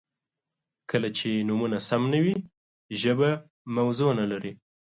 • کله چې نومونه سم نه وي، ژبه موضوع نهلري.